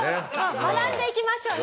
学んでいきましょうね。